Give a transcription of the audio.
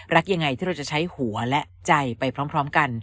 รักยังไงที่เราจะใช้หัวและใจไปพร้อมกัน